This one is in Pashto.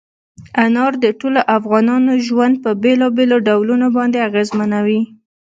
انار د ټولو افغانانو ژوند په بېلابېلو ډولونو باندې اغېزمنوي.